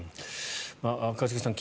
一茂さん